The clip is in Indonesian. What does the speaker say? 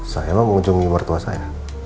saya emang mengunjungi mertua saya